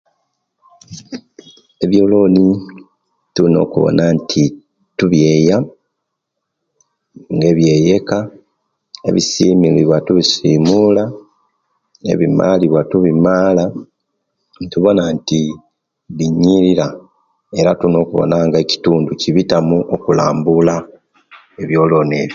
Ebyoloni tulina okuwona nti tubyeya nebyeka ebisimuliwa tubisimula ne bimaliwa tumaala netubona nti binyirira era tulinakuwona nga ekitundu kibitamu okulambula ebyoloni